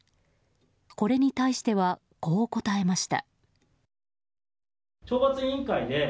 これに対しては、こう答えました。